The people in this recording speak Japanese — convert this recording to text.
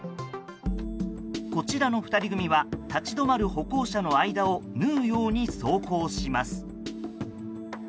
こちらの２人組は立ち止まる歩行者の間を縫うように走行します。